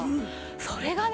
それがね